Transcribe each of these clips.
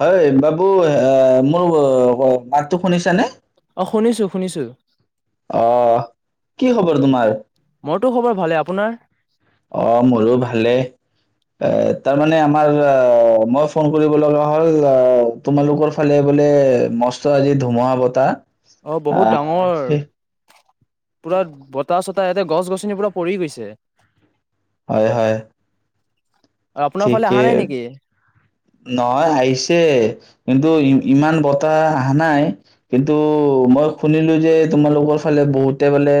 হয় বাবু এ মোৰ- অ মাতটো শুনিছে নে? অ', শুনিছো শুনিছো। অহ্ কি খবৰ তোমাৰ? মোৰতো খবৰ ভালে আপোনাৰ? অ মোৰো ভালেই, এ তাৰমানে আমাৰ মই ফোন কৰিব লগা হ'ল আহ তোমালোকৰ ফালে বোলে মস্ত আজি ধুমুহা বতাহ। অ বহুত আহ, সেই- ডাঙৰ। পুৰা বতাহ চত- ইয়াতে গছ-গছনি পোৰা পৰি গৈছে। হয়-হয়। [inaudible] ফালে অহা ঠিকে, নাই নেকি নহয় আহিছে কিন্তু- ইমান বতাহ আহা নাই কিন্তু মই শুনিলো যে তোমালোকৰ ফালে বহুতে বোলে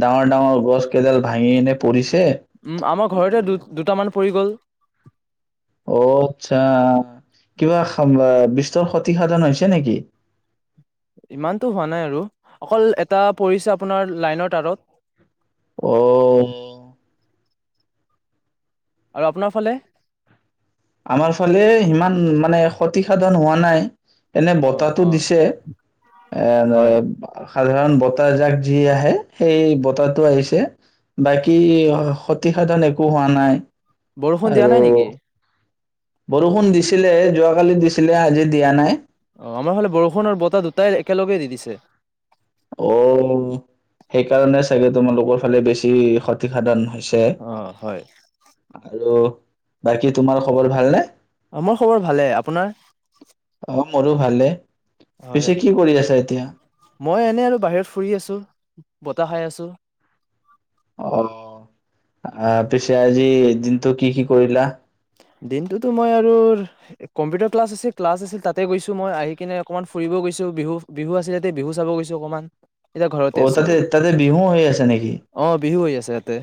ডাঙৰ ডাঙৰ গছ কেইডাল ভাঙি কেনে পৰিছে। উম্ আমাৰ ঘৰতে দু দুটামান- পৰি গ'ল। অ আচ্ছা কিবা [unintelligible] তৌ ক্ষতিসাধন হৈছে নেকি? ইমানটো হোৱা নাই আৰু অকল এটা পৰিছে আপোনাৰ লাইনৰ তাঁৰত। অ'- আৰু আপোনাৰ ফালে? আমাৰ ফালে সিমান মানে হতিসাধন হোৱা নাই। এনে অ', বতাহটো অ', দিছে হয় এ-এ- সাধাৰণ বতাহ জাক যি আহে সেই বতাহটো আহিছে বাকী ক্ষতিসাধন একো হোৱা নাই। বৰষুণ দিয়া আৰু নাই নেকি? বৰষুণ দিছিলে, যোৱাকালি দিছিলে আজি দিয়া নাই। অ আমাৰ ফালে বৰষুণ আৰু বতাহ দুটাই একেলগে দি দিছে। অ, সেইকাৰণে চাগে তোমালোকৰ ফালে বেছি ক্ষতিসাধন - ছে অ', হয় আৰু- বাকী তোমাৰ খবৰ ভালনে? মোৰ খবৰ ভালে, আপোনাৰ? অ', মোৰো ভালে। হয়, পিছে কি কৰি আছা এতিয়া মই এনে আৰু বাহিৰত ফুৰি আছোঁ। বতাহ খাই আছোঁ। অ', আ পিছে আজি এদিনটো কি কি কৰিলা? দিনটোতো মই আৰু কম্পিউটাৰ ক্লাছ আছে, ক্লাছ আছিল তাতে গৈছো‍ঁ মই আহি কিনে অকণমান ফুৰিব গৈছোঁ বিহু, বিহু আছিল ইয়াতে বিহু চাব গৈছো অকণমান। অ', তাতে তাতে বিহু হৈ আছে নেকি? অ বিহু হৈ আছে ইয়াতে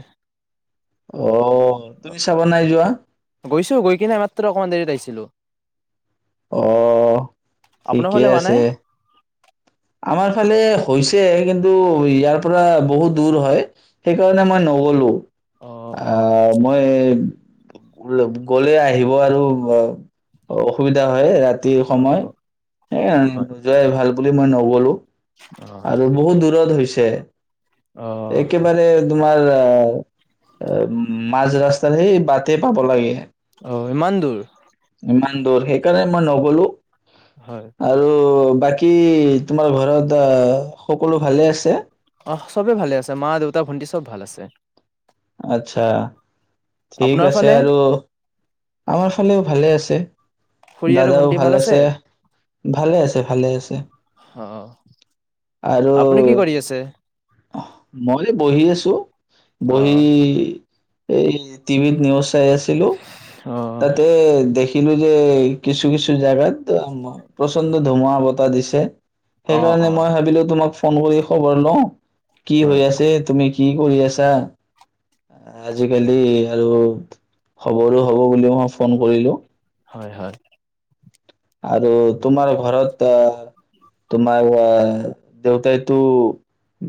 অ', তুমি চাব নাই যোৱা গৈছোঁ গৈ কিনে মাত্ৰ অকণমান আগত আহিছিলোঁ। অ', আপোনাৰ ঠিকেই ফালে হোৱা নাই আছে। আমাৰ ফালে হৈছে কিন্তু ইয়াৰ পৰা বহুত দূৰ হয়, সেইকাৰণে মই নগ'লো। অ অ আহ, মই গ'লে গ'লে আহিব আৰু অ', অসুবিধা হয় ৰাতি ৰাতিৰ অ সময়, সেই হয় নোযোৱাই ভাল বুলি মই ন [unintelligible] আৰু বহুত দূৰত হৈছে। অ যে একেবাৰে তোমাৰ অ', মাজ ৰাস্তাত সেই বাটত পাব লাগে। অ', ইমান দূৰ। ইমান দূৰ সেইকাৰণে মই নগ'লো। হয় আৰু বাকী তোমাৰ ঘৰত অ সকলো ভালে আছে? অ', সবেই ভালে আছে মা-দেউতা, ভণ্টি সব ভাল আছে। আচ্ছা। ঠিক আপোনাৰ আছে ফালে আৰু আমাৰ ফালেও ভালে আছে। খুৰী আৰু দাদাও ভন্টি ভাল আছে, ভালে আছে, ভালে আছে অ আৰু আপুনি কি কৰি আছে মই বহি আছোঁ ব অ উই। এই টিভিৰ নিউজ চাই আছিলোঁ অ তাতে দেখিলোঁ যে, কিছু কিছু ঠাইত প্ৰচণ্ড ধুমুহা বতাহ দিছে। অ সেইকাৰণে অ মই ভাবিলোঁ তোমাক ফোন কৰি খবৰ লওঁ। কি হয় হৈ আছে তুমি কি কৰি আছা? আজিকালি আৰু খবৰো হব বুলি মই ফোন কৰিলো। হয়, হয়। আৰু তোমাৰ ঘৰত আহ তোমাৰ অ দেউতাইতো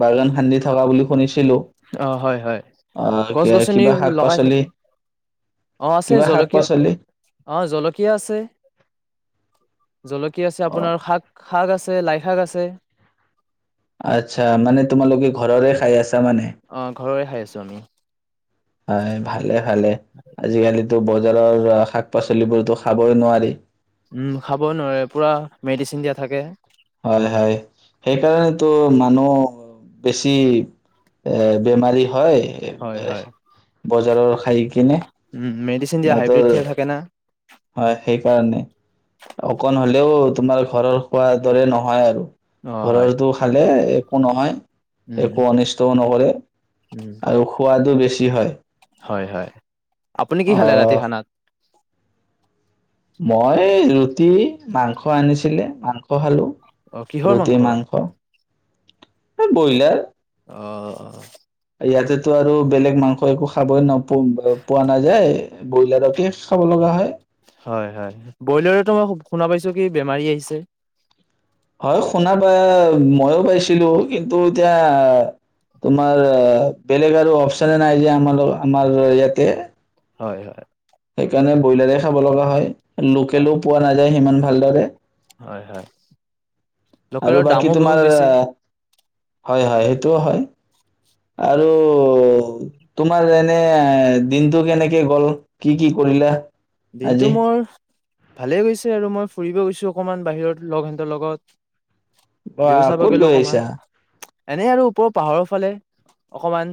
বাগান খান্দি থকা বুলি শুনিছ অ হয়, হয় গছ কি- গছনিও কিবা শাক লগাই পাচলি থাকে, অঁ আছে, কিবা শাক জলকীয়া পাচলি অঁ জলকীয়া আছে। জলকীয়া আছে অ আপোনাৰ শাক শাক আছে লাই শাক আছে। অচ্ছা মানে তোমালোকে ঘৰৰে খাই আছ অঁ ঘৰৰে খাই আছো আমি। হয় ভালে। ভালে। আজিকালিত- টো বজাৰৰ শাক-পাচলিবোৰতো খাবই নোৱাৰি। উম খাব‌ই নোৱাৰি, পুৰা মেডিচিন দিয়া থাকে। হয় হয়। সেইকাৰণেতো মানুহ বেছি এ বেমাৰী হয়। এই হয় বাই- হয় বজাৰৰ আহি কিনে, চিন দিয়া সিহঁতৰ হাইব্ৰিড থিয়া থাকে না হয় সেইকাৰণে, অকণ হলেও তোমাৰ ঘৰৰ খোৱাৰ দৰে নহয় আৰু। অ হয় ঘৰৰটো খালে একো নহয়। উম একো অনিষ্টও নকৰে। উম আৰু সোৱাদো বেছ বেছি হয়। হয়, হয়। আপুনি কি খালে ৰাতি অ', খানাত? মই ৰুটি, মাংস আনিছিলে, মাংস খালোঁ। অ কিহৰ ৰুটি, মাংস এই ব্ৰইলাৰ অ' অ' ইয়াতেতো আৰু বেলেগ মাংস একো খাবই ন পোৱা নাযায়। ব্ৰইলাৰকে খাব লগা হয়। হয়, হয় ব্ৰইলাৰতো মই শুনা পাইছোঁ কি বেমাৰী আহিছে। হয় শুনা প ময়ো পাইছিলোঁ। কিন্তু, এতিয়া তোমাৰ বেলেগ আৰু অপচনে নাই যে আমাৰ আমাৰ ইয়াতে। হয়, হয়। সেইকাৰণে ব্ৰইলাৰে খাব লগা হয়। হয় লোকেলো পোৱা নাযায় সিমান ভালদৰে হয়, হয়। আৰু লোকেলৰ বাকী দামো তোমাৰ বহুত বেছি হয় হয় সেইটোও হয় আৰু তোমাৰ এনে দিনটো কেনেকে গ'ল কি কি কৰিলা? দিনটো আজি? মোৰ ভালেই গৈছে আৰু মই ফুৰিব গৈছো অকমান বাহিৰত লগহঁতৰ লগত আহ ক'ত গৈ আহিছা? এনেই আৰু ওপৰৰ পাহাৰৰ ফালে অকমান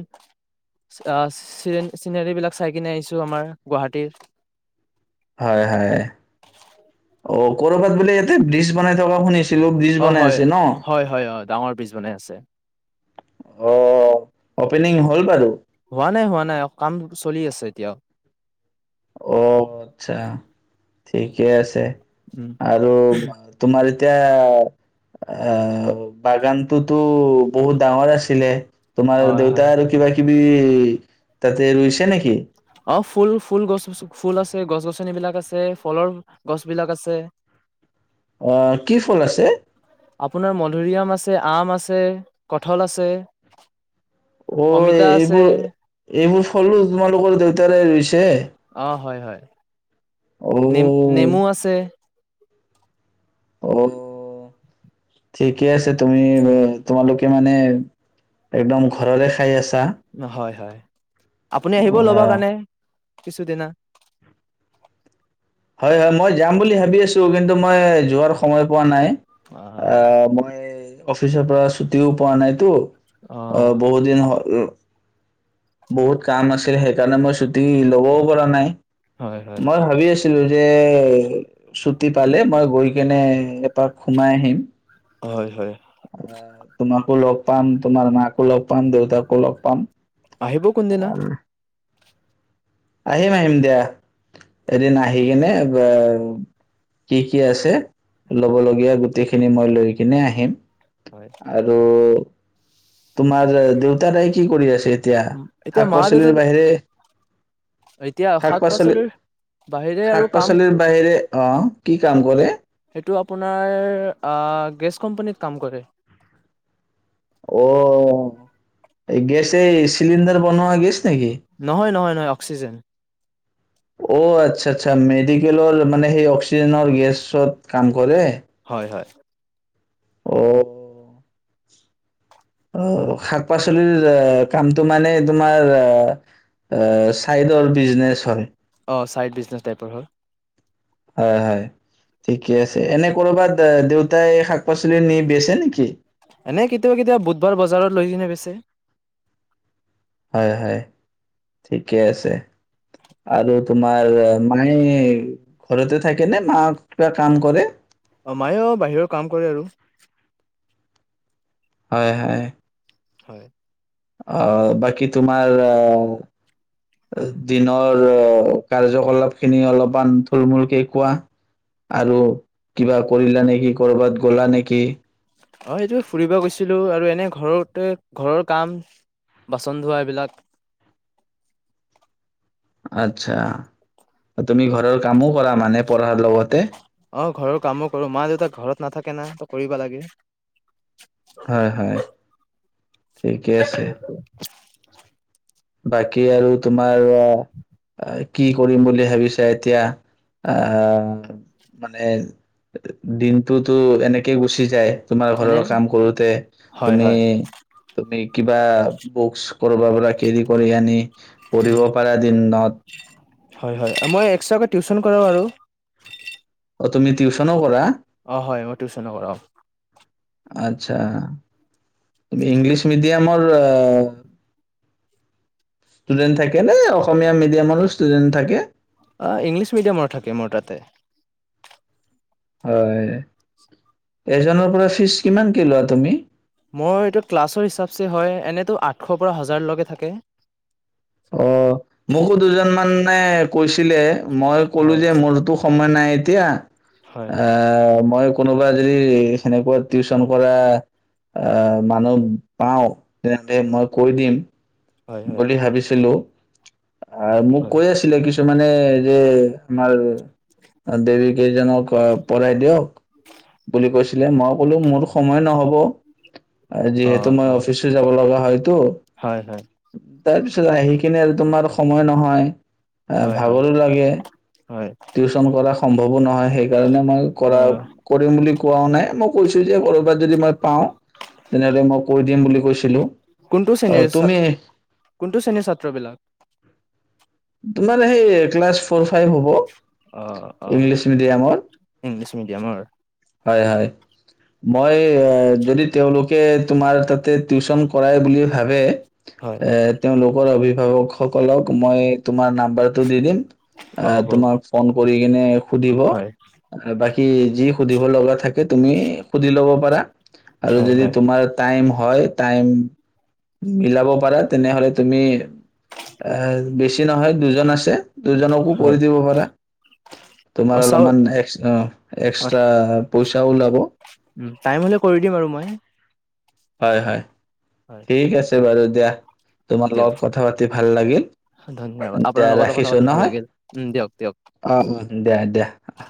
আহ চি চিনেৰী বিলাক চাই কিনে আহিছো আমাৰ গুৱাহাটীৰ হয় হয় অ কৰ'ৰবাত বোলে ইয়াতে ব্ৰিজ বনাই থকা শুনিছো অ হয় হয় হয় অ ডাঙৰ ব্ৰিজ বনে আছে। অ অপেনিং হ'ল বাৰু। হোৱা নাই হোৱা নাই কাম চলি আছে এতিয়াওঁ। অ আচ্ছা ঠিকে আছে। উম আৰু তোমাৰ এ এতিয়া আহ বাগানটোতো বহুত ডাঙৰ আছিলে তোমাৰ হয় দেউতা হয় আৰু কিবা কিবি উমম তাতে ৰুইছে নেকি? অ ফুল ফুল গছ ফুল আছে গছ গছনিবলাক আছে ফলৰ গছ বিলাক আছে। অ' কি ফল আছে আপোনাৰ মধুৰিআম আছে আম আছে কঠাল আছে। অ অমিতা আছে এইবোৰ এইবোৰ ফলো তোমালোকৰ দে তাৰে ৰিচ্ অ হয় হয় [inaudible] নেম অ', নেমু আছে অ ঠিকে আছে তুমি তোমালোকে মানে একদম ঘৰৰে খাই আছা হয় হয় আপুনি আহিব ল'ব অ', কাৰণে? কিছু দিনা হয় হয় মই যাম বুলি ভাবি আছো কিন্তু মই যোৱাৰ সময় পোৱা নাই। আ হয় মই অফিচৰ পৰা ছুটিও পোৱা নাইতো অ বহু দিন হ'ল আ [inaudible] বহুত কাম আছিল, সেইকাৰণে মই দি ল'বও পৰা নাই, হয় হয়। মই ভাবি আছোঁ। ছিলো যে ছুটি পালে মই গৈ কেনে এপাক সোমাই আহিম। হয়, হয়। তোমাকো লগ পাম, তোমাৰ মাকো লগ পাম, দেউতাকো লগ পাম। আহিব কোনদিনা। উম, আহিম আহিম দিয়া এদিন আহি কিনে, বা কি কি আছে ল'ব লগীয়া গো গোটেইখিনি মই লৈ কিনে আহিম। হয়। আৰু তোমাৰ দেউতাৰাই কি কৰি আছে এতিয়া এতিয়া শাক মা পাচলিৰ দেউতাৰ বাহিৰে? এতিয়া শাক পাচলিৰ বাহিৰে আৰু কাম অঁ কি কাম কৰে? এইটো আপোনাৰ আ গ্ৰেচ কম্পানীত কাম কৰে। অ, এই গেছ এই চিলিণ্ডাৰ বনোৱা গেছ? নেকি নহয়, নহয়। নয় অক্সিজে অ', আচ্ছা আচ্ছা মেডিকেলৰ মানে সেই অক্সিজেনৰ গেছত কাম কৰে। হয়, হয়। অ'। অ', শাক-পাচলিৰ কামটো মানে তোমাৰ চাইডৰ বিজনেচ হয়। অ', চাইড বিজনেচ টাইপৰ হয়। হয়, হয় ঠিকে আছে এনে কৰবাত দেউতাই শাক পাচলি নি বেছে নেকি? এনে কেতিয়াবা কেতিয়াবা বুধবাৰ বজাৰত লৈ কিনে বেচে। হয়, হয় ঠিকে আছে আৰু তোমাৰ মায়ে ঘৰতে থাকে নে মা কিবা কাম কৰে? অ', ময়ো বাহিৰৰ কাম কৰে আৰু। হয়, হয়। হয়। অ', বাকী তোমাৰ অ', দিনৰ কাৰ্যকলাপ খিনি অলপমান থুলমুলকে কোৱা আৰু কিবা কৰিলা নেকি কৰবাত গ'লা নেকি? অ', এইটো ফুৰিব গৈছিলো আৰু এনে ঘৰতে ঘৰৰ কাম বাচন ধোৱা এইবিলাক। আচ্ছা তুমি ঘৰৰ কামো কৰা মানে পঢ়াৰ লগতে? অ', ঘৰৰ কামো কৰো মা দেউতাক ঘৰত নাথাকে না ত কৰিব লাগে। হয়, হয়। ঠিকে আছে। বাকী আৰু তোমাৰ কি কৰিম বুলি ভাবিছা এতিয়া আহ মানে দিনটোতো এনেকে গুচি যায়। তোমাৰ ঘৰৰ এনে কাম কৰোঁতে হয় তুমি হয় তুমি কিবা বুক্চ কৰ কেৰি কৰি আনি পঢ়িব উম পাৰে দিনত। হয়, হয় মই এক্সট্ৰাকৈ টিউশন কৰো আৰু। অ', তুমি টিউচনো কৰা? অ', হয় মই টিউচনো কৰো। আচ্ছা তুমি ইংলিছ মিডিয়ামৰ ষ্টুডেণ্ট থাকে নে অসমীয়া মিডিয়ামৰো ষ্টুডেণ্ট থাকে। আহ ইংলিছ মিডিয়ামৰ থাকে মোৰ তাতে। হয়, এজনৰ পৰা ফিজ কিমান কে লোৱা তুমি? মই এইটো ক্লাছৰ হিচাপচে হয় এনেতো আঠশৰ পৰা হাজাৰলৈকে থাকে। অ', মোকো দুজন মানে কৈছিলে। মই ক'লো হয় যে মোৰতো সময় নাই। তেতিয়া হয় আহ মই কোনোবাই যদি এনেকৈ টিউচন কৰা অ', মানুহ পাওঁ তেন্তে মই কৈ দিম। হয় হয় বুলি ভাবিছিলো। আহ মোক হয় কৈ আছিলে কিছুমান মানে যে আমাৰ অ', দেৱ কেইজনক ঘৰ পৰাই দিয়ক। বুলি কৈছিলে মই কলো মোৰতো সময় নহ'ব। অ যিহেতু মই অ অফিচো যাব লগা হয়তো। হয় হয় তাৰপিছত আহি কিনে তোমাৰ সময় নহয়। এ, হয় হয় ভাগৰো লাগে হয় টিউচন কৰা সম্ভৱ অ', নহয় সেইকাৰণে মই অ কৰা বুলি কোৱাও নাই মই কৈছো যে ক'ৰবাত যদি মই পাওঁ তেনেহ'লে মই কৈ দিম বুলি কৈছিলো কোনটো আহ শ্ৰেণীৰ তুমি ছা- কোনটো শ্ৰেণীৰ ছাত্ৰবিলাক তোমাৰ সেই ক্লাছ ফ'ৰ ফাইভ হ'ব। অ', ইংলিছ অ', মিডিয়ামৰ ইংলিছ। মিডিয়ামাৰ হয়, হয় মই যদি তেওঁলোকে তোমাৰ তাতে টিউচন কৰাই বুলি ভাবে হয় এ, তেওঁ ল অভিভাৱকসকলক মই তোমাৰ নাম্বাৰটো দি দিম। অ হ'ব তোমাৰ ফোন কৰি কিনে সুধিব হয় বা কি যি। সুধিব লগা থাকে তুমি সুধি লব পাৰা। আৰু হয় যদি হয় তোমাৰ টাইম হয়। হয় টাইম মিলাব পাৰা তেনেহলে তুমি। এ বেছি নহয় দুজন আছে দুজনকো কৰি হয় দিব পাৰা তোমাৰ অ চাও অলপমান এক্স অ এক্স। এ পইচা। উম টাইমহ'লে কৰি দিম আৰু মই। হয় হয়। হয় ঠিক আছে। হব বাৰু দিয়া। অ তোমাৰ দিয়ক লগত কথা পাতি ভাল লাগিল ধন্যবাদ আপোনাৰ দিয়া লগতো কথা ৰাখিছো পাতি ভাল নহয় লাগিল উম দিয়ক দিয়ক। অ দিয়া দিয়া অহ।